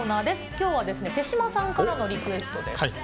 きょうはですね、手嶋さんからのリクエストです。